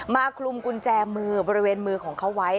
คลุมกุญแจมือบริเวณมือของเขาไว้